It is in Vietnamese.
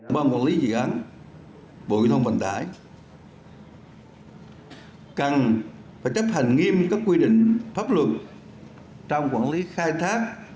ban quản lý dự án bộ giao thông vận tải cần phải chấp hành nghiêm các quy định pháp luật trong quản lý khai thác